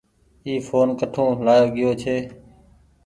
اي ڦون ڪٺو لآيو گيو ڇي۔